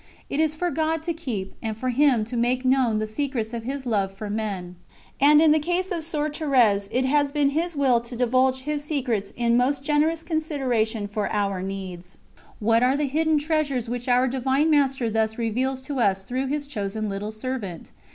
It is for God to keep, and for Him to make known the secrets of His Love for men. And in the case of Soeur Thérèse it has been His Will to divulge His secrets in most generous consideration for our needs. What are the hidden treasures which Our Divine Master thus reveals to us through His chosen little servant?